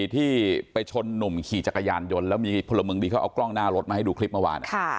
ที่ไปชนหนุ่มขี่จักรยานยนต์แล้วมีพลเมืองดีเขาเอากล้องหน้ารถมาให้ดูคลิปเมื่อวาน